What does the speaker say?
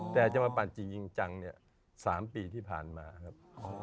แต่จะมาปั่นจริงจังเนี่ย๓ปีที่ผ่านมาครับ